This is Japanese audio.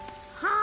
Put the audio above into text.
あ